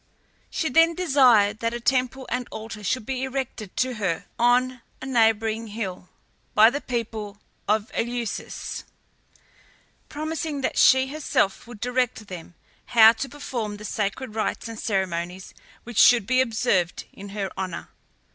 She then desired that a temple and altar should be erected to her on a neighbouring hill by the people of Eleusis, promising that she herself would direct them how to perform the sacred rites and ceremonies, which should be observed in her honour.